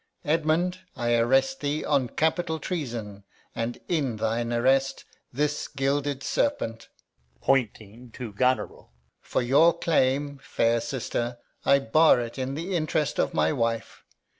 Edmund, I arrest thee On capital treason; and, in thine attaint, This gilded serpent [points to Goneril]. For your claim, fair sister, I bar it in the interest of my wife.